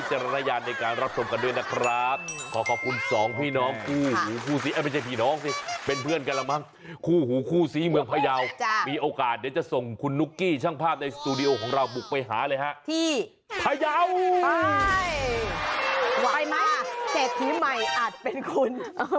แต่อย่างนี้ละกันดูแล้ว